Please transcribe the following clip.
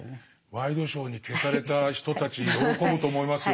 ワイドショーに消された人たち喜ぶと思いますよ